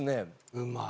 うまい。